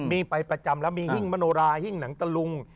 มีไปประจำแล้วมีหิ้งมโนราหิ้งหนังตะลุง